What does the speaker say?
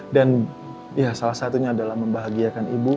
dan ya salah satunya adalah membahagiakan ibu